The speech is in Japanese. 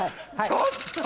ちょっと！